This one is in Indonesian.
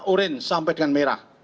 orange sampai dengan merah